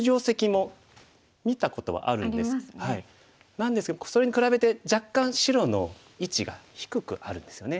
なんですけどそれに比べて若干白の位置が低くあるんですよね。